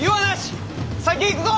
先へ行くぞ！